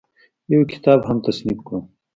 يو کتاب هم تصنيف کړو